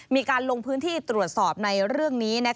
มีการลงพื้นที่ตรวจสอบในเรื่องนี้